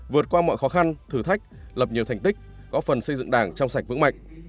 vượt qua mọi khó khăn thử thách lập nhiều thành tích góp phần xây dựng đảng trong sạch vững mạnh